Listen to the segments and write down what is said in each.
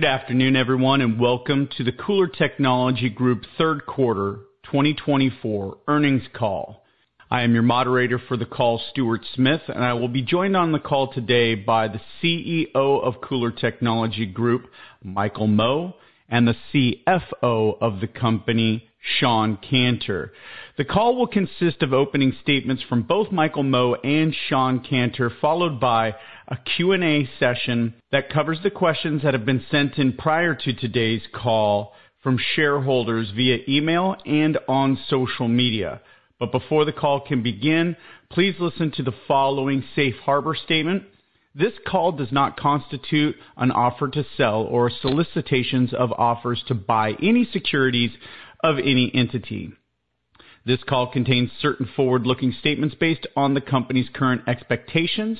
Good afternoon, everyone, and welcome to the KULR Technology Group third quarter 2024 earnings call. I am your moderator for the call, Stuart Smith, and I will be joined on the call today by the CEO of KULR Technology Group, Michael Mo, and the CFO of the company, Shawn Canter. The call will consist of opening statements from both Michael Mo and Shawn Canter, followed by a Q&A session that covers the questions that have been sent in prior to today's call from shareholders via email and on social media. But before the call can begin, please listen to the following safe harbor statement. This call does not constitute an offer to sell or solicitations of offers to buy any securities of any entity. This call contains certain forward-looking statements based on the company's current expectations,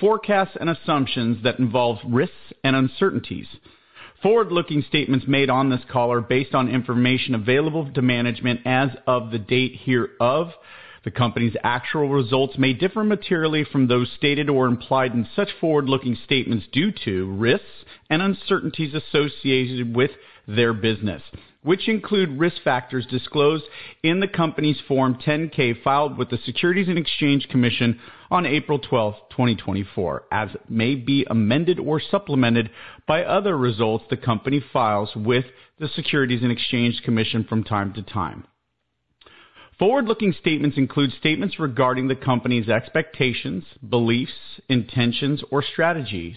forecasts, and assumptions that involve risks and uncertainties. Forward-looking statements made on this call are based on information available to management as of the date hereof. The company's actual results may differ materially from those stated or implied in such forward-looking statements due to risks and uncertainties associated with their business, which include risk factors disclosed in the company's Form 10-K filed with the Securities and Exchange Commission on April 12th, 2024, as may be amended or supplemented by other results the company files with the Securities and Exchange Commission from time to time. Forward-looking statements include statements regarding the company's expectations, beliefs, intentions, or strategies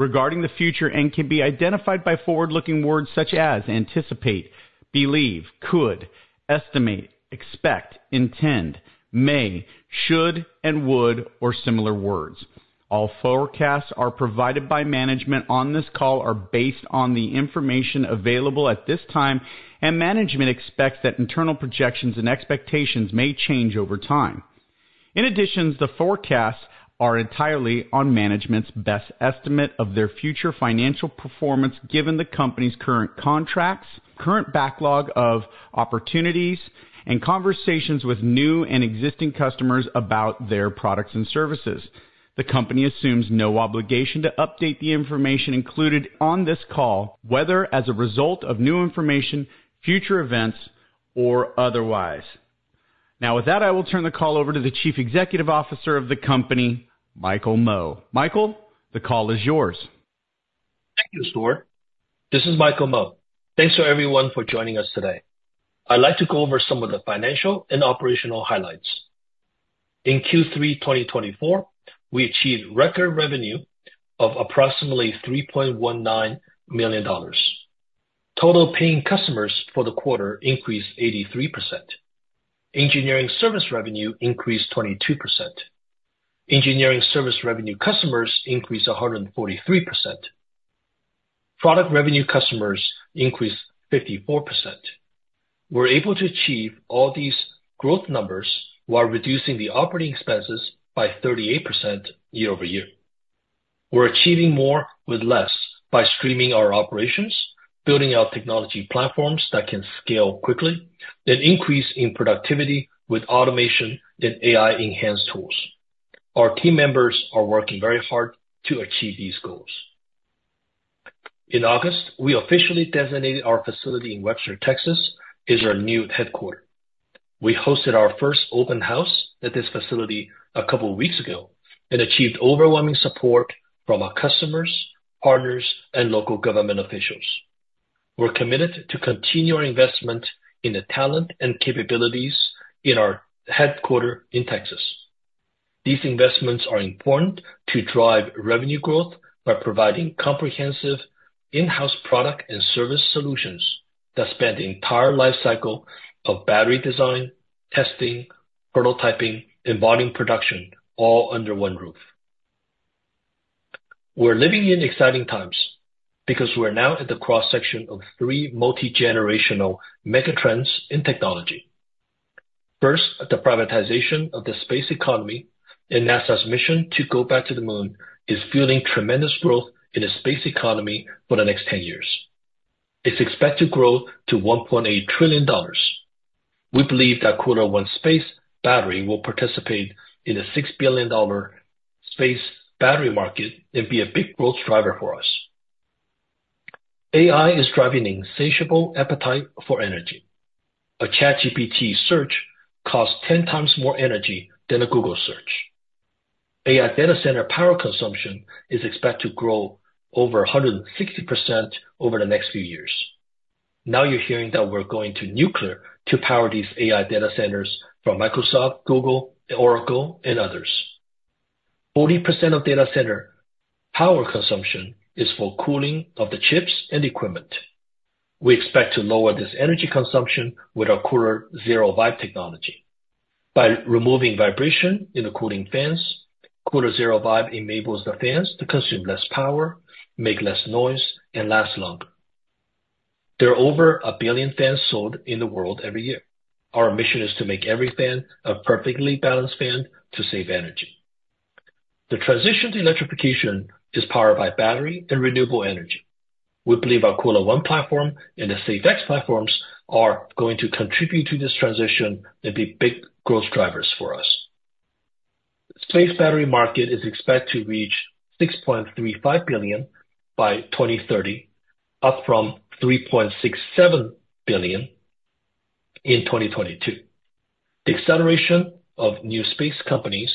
regarding the future and can be identified by forward-looking words such as anticipate, believe, could, estimate, expect, intend, may, should, and would, or similar words. All forecasts provided by management on this call are based on the information available at this time, and management expects that internal projections and expectations may change over time. In addition, the forecasts are entirely on management's best estimate of their future financial performance given the company's current contracts, current backlog of opportunities, and conversations with new and existing customers about their products and services. The company assumes no obligation to update the information included on this call, whether as a result of new information, future events, or otherwise. Now, with that, I will turn the call over to the Chief Executive Officer of the company, Michael Mo. Michael, the call is yours. Thank you, Stuart. This is Michael Mo. Thanks to everyone for joining us today. I'd like to go over some of the financial and operational highlights. In Q3 2024, we achieved record revenue of approximately $3.19 million. Total paying customers for the quarter increased 83%. Engineering service revenue increased 22%. Engineering service revenue customers increased 143%. Product revenue customers increased 54%. We're able to achieve all these growth numbers while reducing the operating expenses by 38% year-over-year. We're achieving more with less by streamlining our operations, building out technology platforms that can scale quickly, and increase in productivity with automation and AI-enhanced tools. Our team members are working very hard to achieve these goals. In August, we officially designated our facility in Webster, Texas, as our new headquarters. We hosted our first open house at this facility a couple of weeks ago and achieved overwhelming support from our customers, partners, and local government officials. We're committed to continue our investment in the talent and capabilities in our headquarters in Texas. These investments are important to drive revenue growth by providing comprehensive in-house product and service solutions that span the entire lifecycle of battery design, testing, prototyping, and volume production, all under one roof. We're living in exciting times because we're now at the cross-section of three multi-generational megatrends in technology. First, the privatization of the space economy and NASA's mission to go back to the moon is fueling tremendous growth in the space economy for the next 10 years. It's expected to grow to $1.8 trillion. We believe that KULR ONE Space battery will participate in the $6 billion space battery market and be a big growth driver for us. AI is driving an insatiable appetite for energy. A ChatGPT search costs 10 times more energy than a Google search. AI data center power consumption is expected to grow over 160% over the next few years. Now you're hearing that we're going to nuclear to power these AI data centers from Microsoft, Google, Oracle, and others. 40% of data center power consumption is for cooling of the chips and equipment. We expect to lower this energy consumption with our KULR Xero Vibe technology. By removing vibration in the cooling fans, KULR Xero Vibe enables the fans to consume less power, make less noise, and last longer. There are over a billion fans sold in the world every year. Our mission is to make every fan a perfectly balanced fan to save energy. The transition to electrification is powered by battery and renewable energy. We believe our KULR ONE platform and the KULR SafeX platforms are going to contribute to this transition and be big growth drivers for us. The space battery market is expected to reach $6.35 billion by 2030, up from $3.67 billion in 2022. The acceleration of new space companies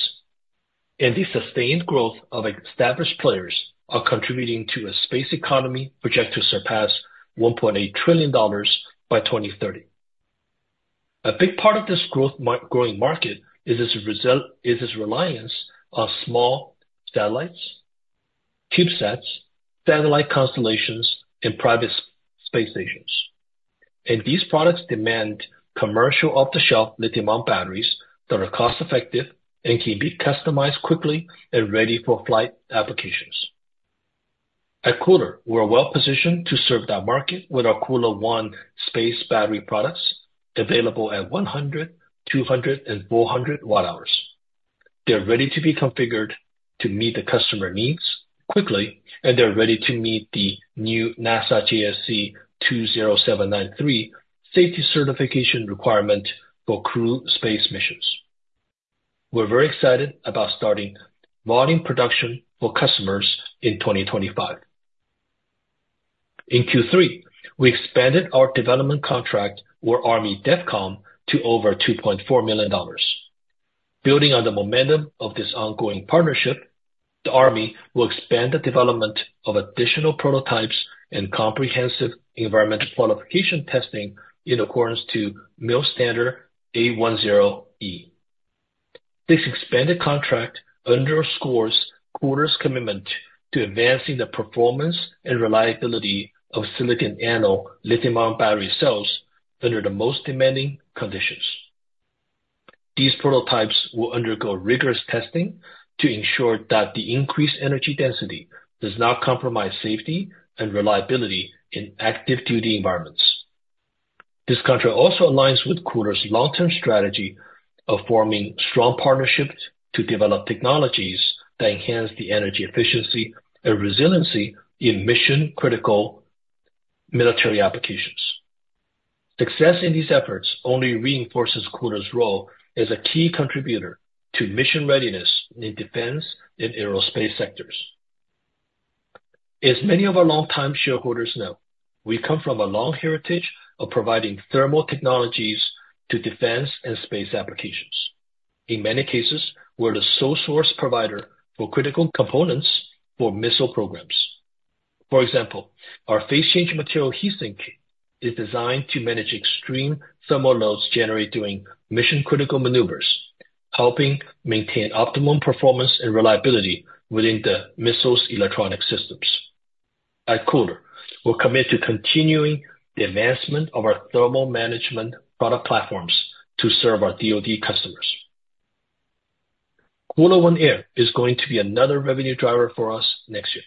and the sustained growth of established players are contributing to a space economy projected to surpass $1.8 trillion by 2030. A big part of this growing market is its reliance on small satellites, CubeSats, satellite constellations, and private space stations, and these products demand commercial off-the-shelf lithium-ion batteries that are cost-effective and can be customized quickly and ready for flight applications. At KULR, we're well-positioned to serve that market with our KULR ONE Space battery products available at 100, 200, and 400 Wh. They're ready to be configured to meet the customer needs quickly, and they're ready to meet the new NASA JSC 20793 safety certification requirement for crew space missions. We're very excited about starting volume production for customers in 2025. In Q3, we expanded our development contract with Army DEVCOM to over $2.4 million. Building on the momentum of this ongoing partnership, the Army will expand the development of additional prototypes and comprehensive environmental qualification testing in accordance to MIL-STD-810E. This expanded contract underscores KULR's commitment to advancing the performance and reliability of silicon anode lithium-ion battery cells under the most demanding conditions. These prototypes will undergo rigorous testing to ensure that the increased energy density does not compromise safety and reliability in active duty environments. This contract also aligns with KULR's long-term strategy of forming strong partnerships to develop technologies that enhance the energy efficiency and resiliency in mission-critical military applications. Success in these efforts only reinforces KULR's role as a key contributor to mission readiness in defense and aerospace sectors. As many of our long-time shareholders know, we come from a long heritage of providing thermal technologies to defense and space applications. In many cases, we're the sole source provider for critical components for missile programs. For example, our phase-change material heat sink is designed to manage extreme thermal loads generated during mission-critical maneuvers, helping maintain optimum performance and reliability within the missile's electronic systems. At KULR, we're committed to continuing the advancement of our thermal management product platforms to serve our DoD customers. KULR ONE Air is going to be another revenue driver for us next year.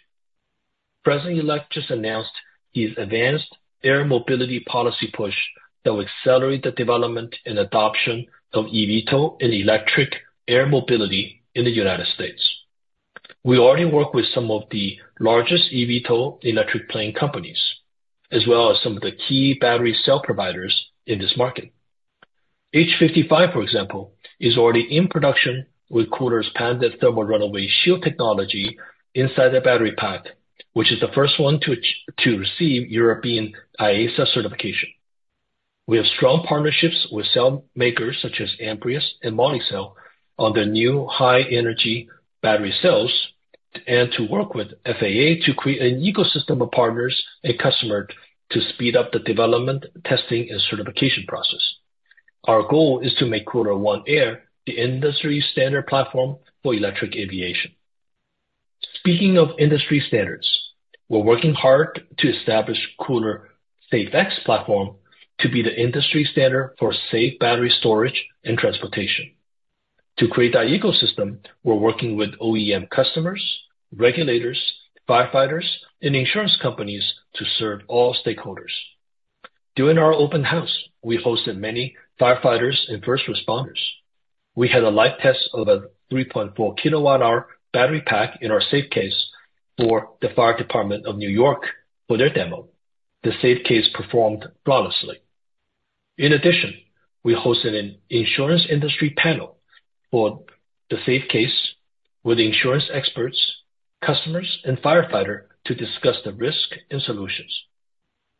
President-elect just announced his advanced air mobility policy push that will accelerate the development and adoption of eVTOL and electric air mobility in the United States. We already work with some of the largest eVTOL electric plane companies, as well as some of the key battery cell providers in this market. H55, for example, is already in production with KULR's Thermal Runaway Shield technology inside the battery pack, which is the first one to receive European EASA certification. We have strong partnerships with cell makers such as Amprius and Molicel on the new high-energy battery cells and to work with FAA to create an ecosystem of partners and customers to speed up the development, testing, and certification process. Our goal is to make KULR ONE Air the industry-standard platform for electric aviation. Speaking of industry standards, we're working hard to establish KULR SafeX platform to be the industry standard for safe battery storage and transportation. To create that ecosystem, we're working with OEM customers, regulators, firefighters, and insurance companies to serve all stakeholders. During our open house, we hosted many firefighters and first responders. We had a live test of a 3.4 kWh battery pack in our SafeCase for the Fire Department of New York for their demo. The SafeCase performed flawlessly. In addition, we hosted an insurance industry panel for the SafeCase with insurance experts, customers, and firefighters to discuss the risks and solutions.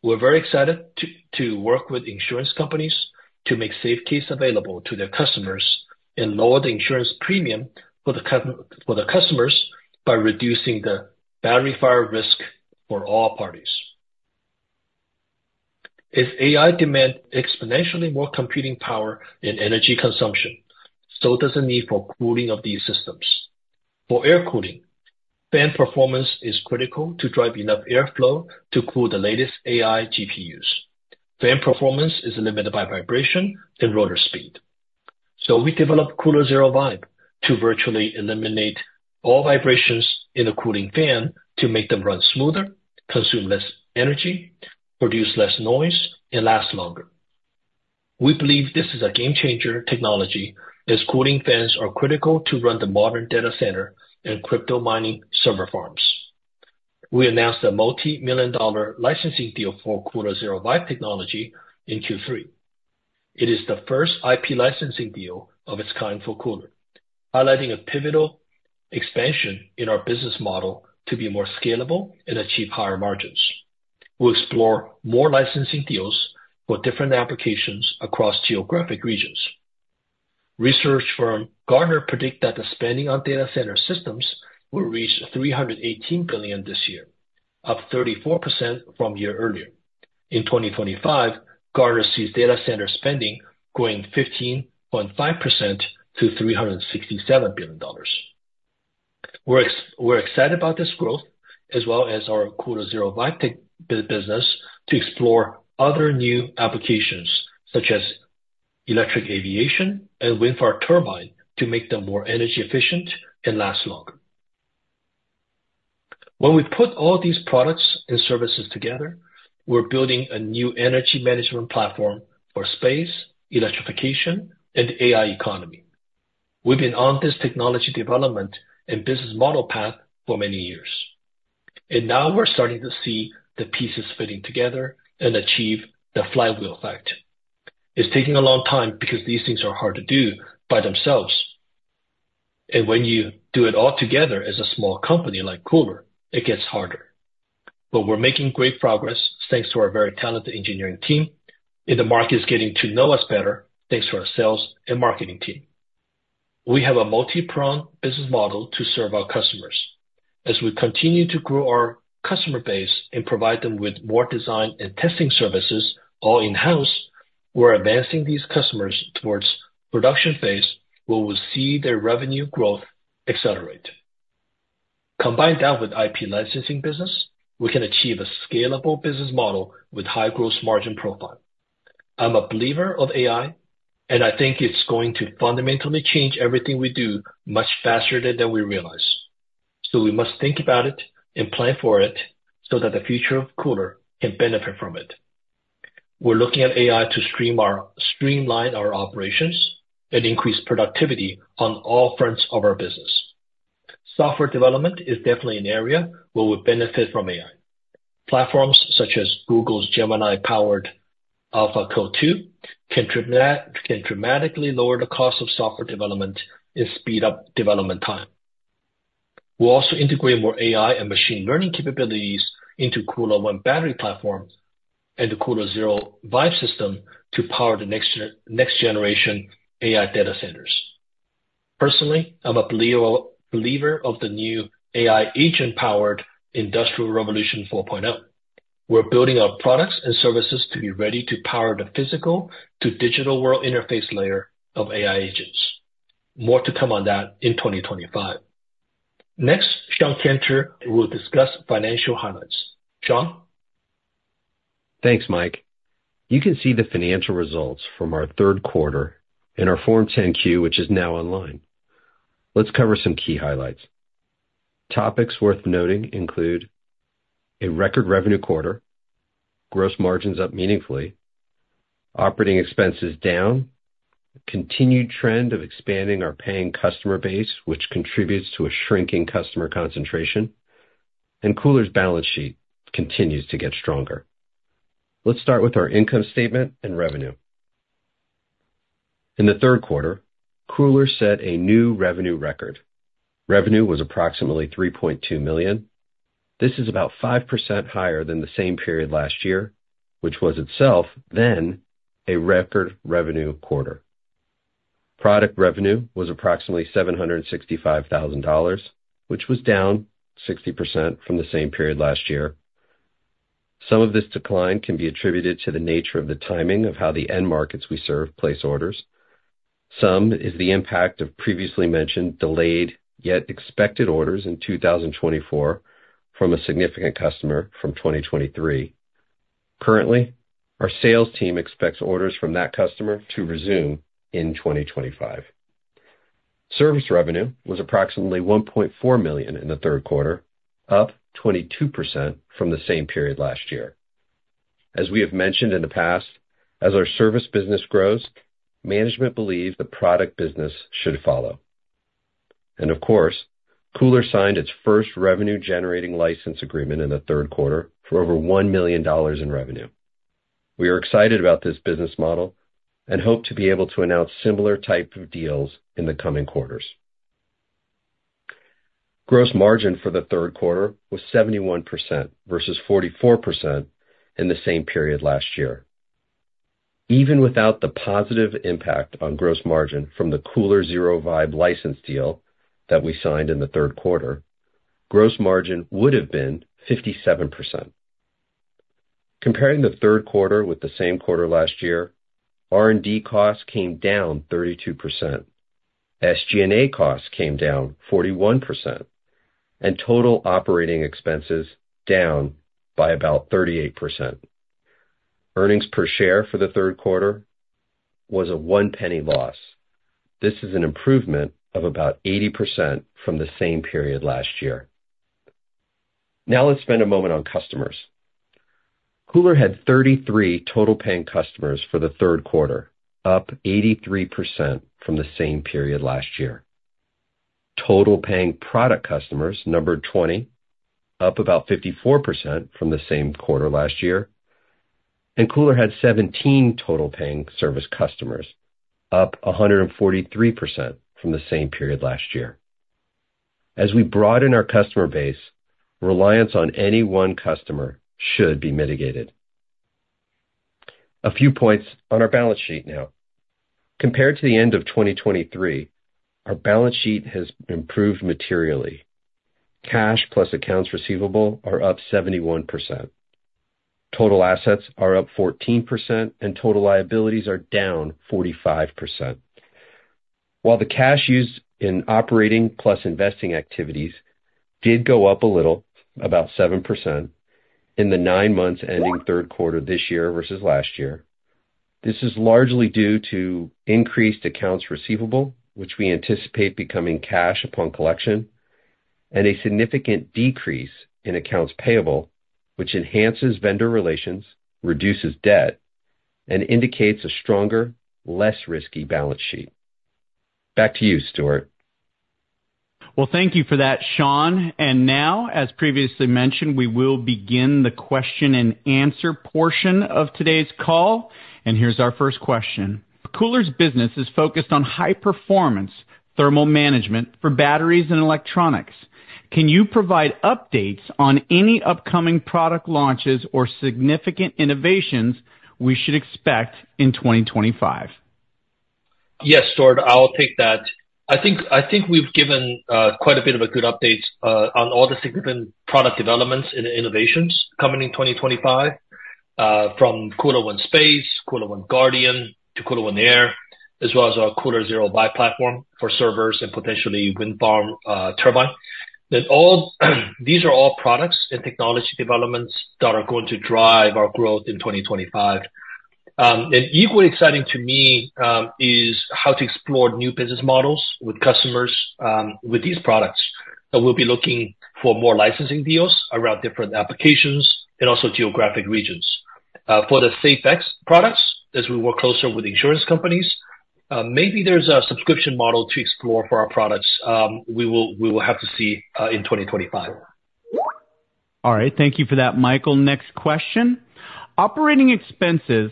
We're very excited to work with insurance companies to make SafeCase available to their customers and lower the insurance premium for the customers by reducing the battery fire risk for all parties. As AI demands exponentially more computing power and energy consumption, so does the need for cooling of these systems. For air cooling, fan performance is critical to drive enough airflow to cool the latest AI GPUs. Fan performance is limited by vibration and rotor speed. So we developed KULR Xero Vibe to virtually eliminate all vibrations in the cooling fan to make them run smoother, consume less energy, produce less noise, and last longer. We believe this is a game-changer technology as cooling fans are critical to run the modern data center and crypto mining server farms. We announced a multi-million dollar licensing deal for KULR Xero Vibe technology in Q3. It is the first IP licensing deal of its kind for KULR, highlighting a pivotal expansion in our business model to be more scalable and achieve higher margins. We'll explore more licensing deals for different applications across geographic regions. Research firm Gartner predicts that the spending on data center systems will reach $318 billion this year, up 34% from a year earlier. In 2025, Gartner sees data center spending growing 15.5% to $367 billion. We're excited about this growth, as well as our KULR Xero Vibe business, to explore other new applications such as electric aviation and wind farm turbine to make them more energy efficient and last longer. When we put all these products and services together, we're building a new energy management platform for space, electrification, and the AI economy. We've been on this technology development and business model path for many years, and now we're starting to see the pieces fitting together and achieve the flywheel effect. It's taking a long time because these things are hard to do by themselves. When you do it all together as a small company like KULR, it gets harder. But we're making great progress thanks to our very talented engineering team, and the market is getting to know us better thanks to our sales and marketing team. We have a multi-pronged business model to serve our customers. As we continue to grow our customer base and provide them with more design and testing services all in-house, we're advancing these customers towards production phase where we'll see their revenue growth accelerate. Combined that with IP licensing business, we can achieve a scalable business model with high gross margin profile. I'm a believer of AI, and I think it's going to fundamentally change everything we do much faster than we realize. We must think about it and plan for it so that the future of KULR can benefit from it. We're looking at AI to streamline our operations and increase productivity on all fronts of our business. Software development is definitely an area where we benefit from AI. Platforms such as Google's Gemini-powered AlphaCode 2 can dramatically lower the cost of software development and speed up development time. We'll also integrate more AI and machine learning capabilities into KULR ONE battery platform and the KULR Xero Vibe system to power the next generation AI data centers. Personally, I'm a believer of the new AI agent-powered Industrial Revolution 4.0. We're building our products and services to be ready to power the physical to digital world interface layer of AI agents. More to come on that in 2025. Next, Shawn Canter will discuss financial highlights. Shawn? Thanks, Mike. You can see the financial results from our third quarter in our Form 10-Q, which is now online. Let's cover some key highlights. Topics worth noting include a record revenue quarter, gross margins up meaningfully, operating expenses down, a continued trend of expanding our paying customer base, which contributes to a shrinking customer concentration, and KULR's balance sheet continues to get stronger. Let's start with our income statement and revenue. In the third quarter, KULR set a new revenue record. Revenue was approximately $3.2 million. This is about 5% higher than the same period last year, which was itself then a record revenue quarter. Product revenue was approximately $765,000, which was down 60% from the same period last year. Some of this decline can be attributed to the nature of the timing of how the end markets we serve place orders. Some is the impact of previously mentioned delayed yet expected orders in 2024 from a significant customer from 2023. Currently, our sales team expects orders from that customer to resume in 2025. Service revenue was approximately $1.4 million in the third quarter, up 22% from the same period last year. As we have mentioned in the past, as our service business grows, management believes the product business should follow, and of course, KULR signed its first revenue-generating license agreement in the third quarter for over $1 million in revenue. We are excited about this business model and hope to be able to announce similar types of deals in the coming quarters. Gross margin for the third quarter was 71% versus 44% in the same period last year. Even without the positive impact on gross margin from the KULR Xero Vibe license deal that we signed in the third quarter, gross margin would have been 57%. Comparing the third quarter with the same quarter last year, R&D costs came down 32%, SG&A costs came down 41%, and total operating expenses down by about 38%. Earnings per share for the third quarter was a $0.01 loss. This is an improvement of about 80% from the same period last year. Now let's spend a moment on customers. KULR had 33 total paying customers for the third quarter, up 83% from the same period last year. Total paying product customers numbered 20, up about 54% from the same quarter last year. And KULR had 17 total paying service customers, up 143% from the same period last year. As we broaden our customer base, reliance on any one customer should be mitigated. A few points on our balance sheet now. Compared to the end of 2023, our balance sheet has improved materially. Cash plus accounts receivable are up 71%. Total assets are up 14%, and total liabilities are down 45%. While the cash used in operating plus investing activities did go up a little, about 7%, in the nine months ending third quarter this year versus last year, this is largely due to increased accounts receivable, which we anticipate becoming cash upon collection, and a significant decrease in accounts payable, which enhances vendor relations, reduces debt, and indicates a stronger, less risky balance sheet. Back to you, Stuart. Well, thank you for that, Shawn. And now, as previously mentioned, we will begin the question and answer portion of today's call. And here's our first question. KULR's business is focused on high-performance thermal management for batteries and electronics. Can you provide updates on any upcoming product launches or significant innovations we should expect in 2025? Yes, Stuart, I'll take that. I think we've given quite a bit of a good update on all the significant product developments and innovations coming in 2025 from KULR ONE Space, KULR ONE Guardian, to KULR ONE Air, as well as our KULR Xero Vibe platform for servers and potentially wind farm turbine. These are all products and technology developments that are going to drive our growth in 2025. And equally exciting to me is how to explore new business models with customers with these products. We'll be looking for more licensing deals around different applications and also geographic regions. For the KULR SafeX products, as we work closer with insurance companies, maybe there's a subscription model to explore for our products. We will have to see in 2025. All right. Thank you for that, Michael. Next question. Operating expenses,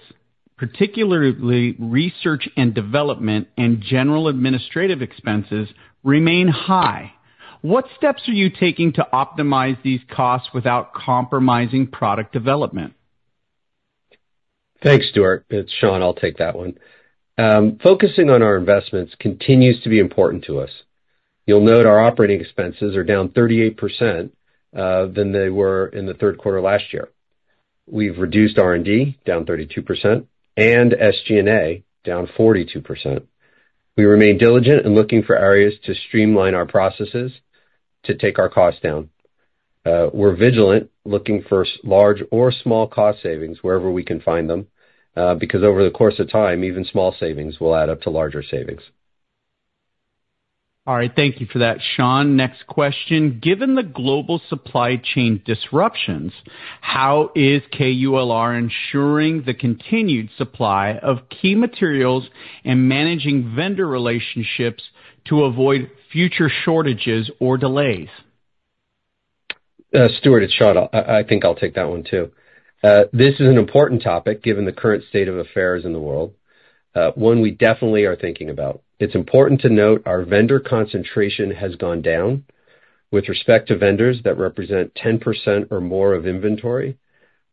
particularly research and development and general administrative expenses, remain high. What steps are you taking to optimize these costs without compromising product development? Thanks, Stuart. It's Shawn, I'll take that one. Focusing on our investments continues to be important to us. You'll note our operating expenses are down 38% than they were in the third quarter last year. We've reduced R&D down 32% and SG&A down 42%. We remain diligent in looking for areas to streamline our processes to take our costs down. We're vigilant looking for large or small cost savings wherever we can find them because over the course of time, even small savings will add up to larger savings. All right. Thank you for that, Shawn. Next question. Given the global supply chain disruptions, how is KULR ensuring the continued supply of key materials and managing vendor relationships to avoid future shortages or delays? Stuart, it's Shawn. I think I'll take that one too. This is an important topic given the current state of affairs in the world. One we definitely are thinking about. It's important to note our vendor concentration has gone down with respect to vendors that represent 10% or more of inventory.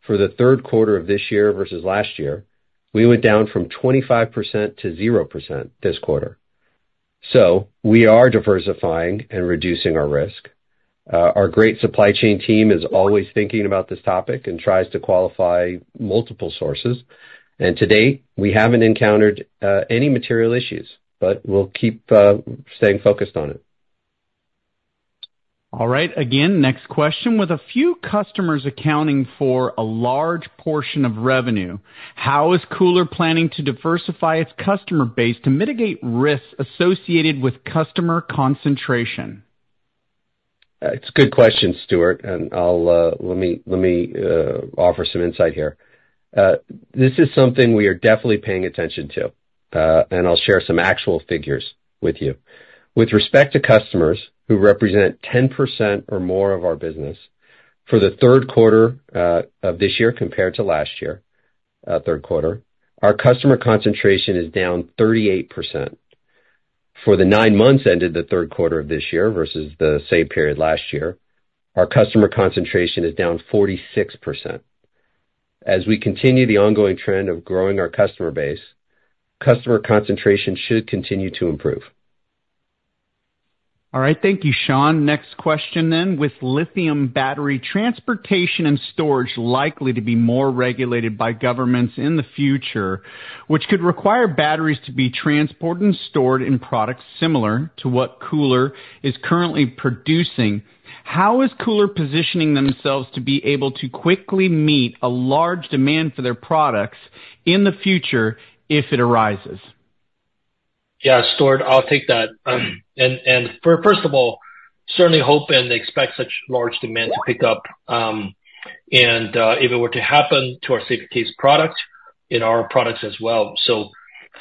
For the third quarter of this year versus last year, we went down from 25% to 0% this quarter. So we are diversifying and reducing our risk. Our great supply chain team is always thinking about this topic and tries to qualify multiple sources. And to date, we haven't encountered any material issues, but we'll keep staying focused on it. All right. Again, next question. With a few customers accounting for a large portion of revenue, how is KULR planning to diversify its customer base to mitigate risks associated with customer concentration? It's a good question, Stuart, and let me offer some insight here. This is something we are definitely paying attention to, and I'll share some actual figures with you. With respect to customers who represent 10% or more of our business, for the third quarter of this year compared to last year, our customer concentration is down 38%. For the nine months ended the third quarter of this year versus the same period last year, our customer concentration is down 46%. As we continue the ongoing trend of growing our customer base, customer concentration should continue to improve. All right. Thank you, Shawn. Next question then. With lithium battery transportation and storage likely to be more regulated by governments in the future, which could require batteries to be transported and stored in products similar to what KULR is currently producing, how is KULR positioning themselves to be able to quickly meet a large demand for their products in the future if it arises? Yeah, Stuart, I'll take that. First of all, we certainly hope and expect such large demand to pick up. If it were to happen to our SafeCase product and our products as well.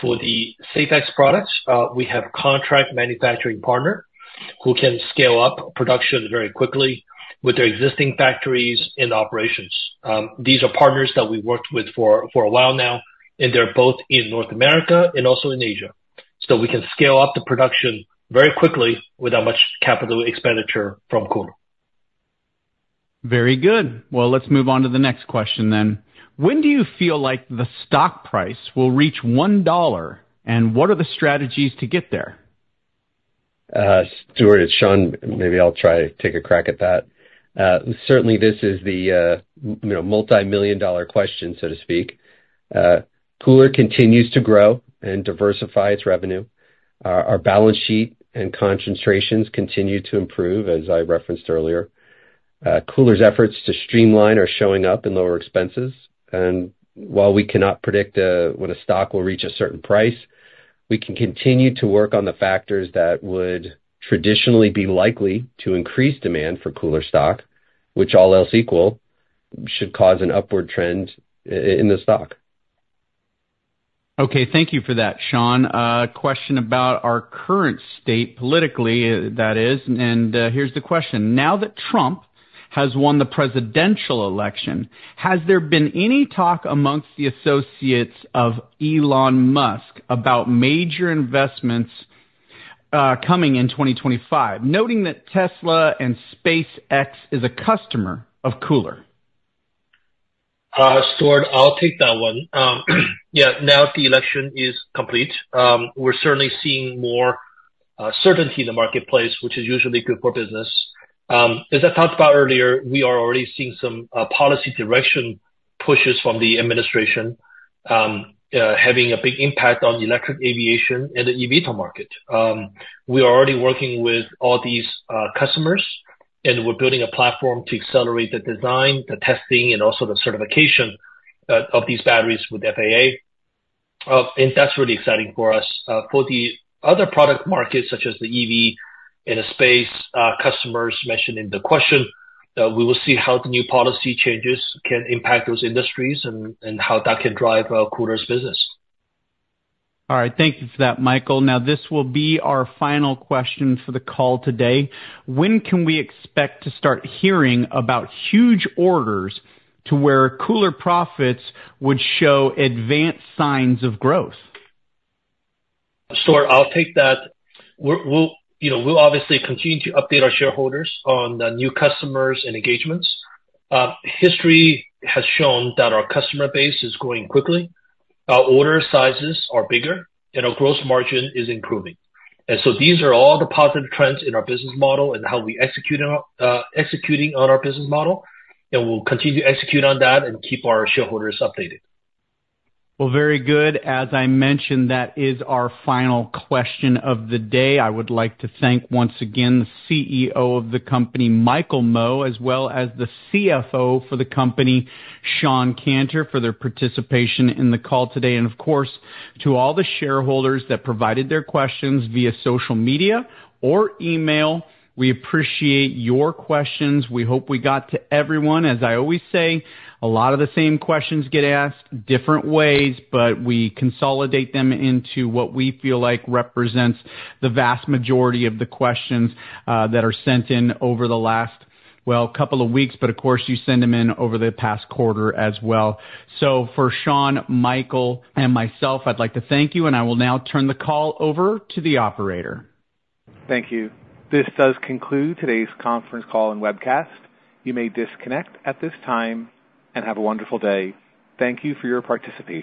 For the SafeX products, we have contract manufacturing partners who can scale up production very quickly with their existing factories and operations. These are partners that we've worked with for a while now, and they're both in North America and also in Asia. So we can scale up the production very quickly without much capital expenditure from KULR. Very good. Well, let's move on to the next question then. When do you feel like the stock price will reach $1, and what are the strategies to get there? Stuart, it's Shawn. Maybe I'll try to take a crack at that. Certainly, this is the multi-million dollar question, so to speak. KULR continues to grow and diversify its revenue. Our balance sheet and concentrations continue to improve, as I referenced earlier. KULR's efforts to streamline are showing up in lower expenses. And while we cannot predict when a stock will reach a certain price, we can continue to work on the factors that would traditionally be likely to increase demand for KULR stock, which all else equal, should cause an upward trend in the stock. Okay. Thank you for that, Shawn. Question about our current state politically, that is. And here's the question. Now that Trump has won the presidential election, has there been any talk amongst the associates of Elon Musk about major investments coming in 2025, noting that Tesla and SpaceX is a customer of KULR? Stuart, I'll take that one. Yeah. Now that the election is complete, we're certainly seeing more certainty in the marketplace, which is usually good for business. As I talked about earlier, we are already seeing some policy direction pushes from the administration having a big impact on electric aviation and the eVTOL market. We are already working with all these customers, and we're building a platform to accelerate the design, the testing, and also the certification of these batteries with FAA, and that's really exciting for us. For the other product markets, such as the EV and a space customers mentioned in the question, we will see how the new policy changes can impact those industries and how that can drive KULR's business. All right. Thank you for that, Michael. Now, this will be our final question for the call today. When can we expect to start hearing about huge orders to where KULR profits would show advanced signs of growth? Stuart, I'll take that. We'll obviously continue to update our shareholders on new customers and engagements. History has shown that our customer base is growing quickly. Our order sizes are bigger, and our gross margin is improving. And so these are all the positive trends in our business model and how we're executing on our business model. And we'll continue to execute on that and keep our shareholders updated. Well, very good. As I mentioned, that is our final question of the day. I would like to thank once again the CEO of the company, Michael Mo, as well as the CFO for the company, Shawn Canter, for their participation in the call today. And of course, to all the shareholders that provided their questions via social media or email, we appreciate your questions. We hope we got to everyone. As I always say, a lot of the same questions get asked different ways, but we consolidate them into what we feel like represents the vast majority of the questions that are sent in over the last, well, couple of weeks, but of course, you send them in over the past quarter as well. So for Shawn, Michael, and myself, I'd like to thank you, and I will now turn the call over to the operator. Thank you. This does conclude today's conference call and webcast. You may disconnect at this time and have a wonderful day. Thank you for your participation.